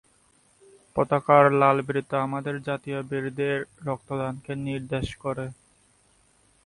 পতাকার লাল বৃত্ত আমাদের জাতীয় বীরদের রক্তদানকে নির্দেশ করে।